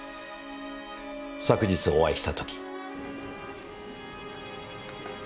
昨日お会いした時。